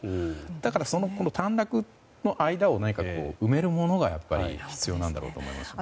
だから短絡の間を何か埋めるものが必要なんだろうと思いますね。